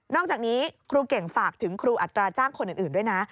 อกจากนี้ครูเก่งฝากถึงครูอัตราจ้างคนอื่นด้วยนะ